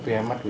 lebih hemat ini